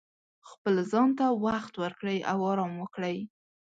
خپل ځان ته وخت ورکړئ او ارام وکړئ.